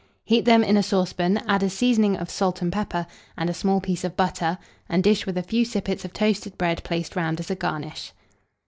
Heat them in a saucepan, add a seasoning of salt and pepper, and a small piece of butter, and dish with a few sippets of toasted bread placed round as a garnish.